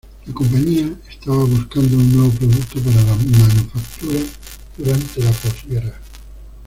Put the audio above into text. La compañía estaba buscando un nuevo producto para la manufactura durante la posguerra.